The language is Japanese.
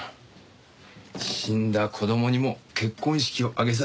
死んだ子供にも結婚式を挙げさせたいか。